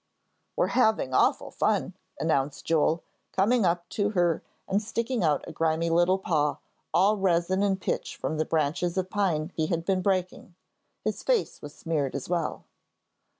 "We're having awful fun," announced Joel, coming up to her and sticking out a grimy little paw, all resin and pitch from the branches of pine he had been breaking. His face was smeared as well.